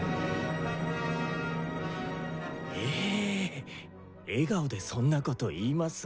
え笑顔でそんなこと言います？